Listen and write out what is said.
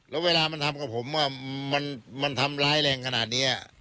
แล้วเวลามันทำกับผมมันทำร้ายแรงขนาดนี้